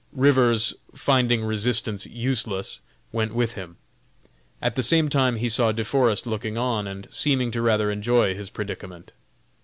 Rivers, finding resistance useless, went with him. At the same time he saw De Forest looking on, and seeming to rather enjoy his predicament.